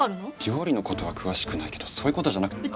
料理のことは詳しくないけどそういうことじゃなくて。